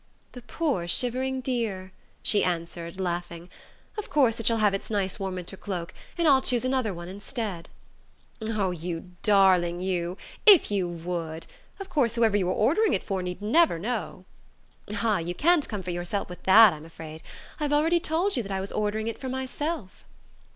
"The poor shivering dear," she answered laughing, "of course it shall have its nice warm winter cloak, and I'll choose another one instead." "Oh, you darling, you! If you would! Of course, whoever you were ordering it for need never know...." "Ah, you can't comfort yourself with that, I'm afraid. I've already told you that I was ordering it for myself."